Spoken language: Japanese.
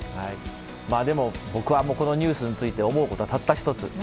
でも、僕はこのニュースに思うことはたった１つ。